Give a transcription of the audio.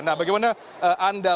nah bagaimana anda melihatnya